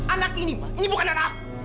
anak ini ini bukan anak aku